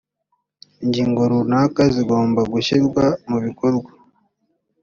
ingingo runaka zigomba gushyirwa mu bikorwa